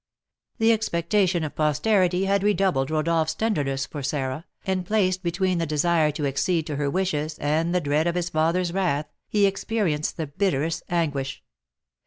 The expectation of posterity had redoubled Rodolph's tenderness for Sarah, and, placed between the desire to accede to her wishes and the dread of his father's wrath, he experienced the bitterest anguish.